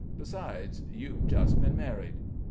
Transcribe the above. Besides, you've just been married."